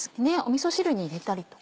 みそ汁に入れたりとか。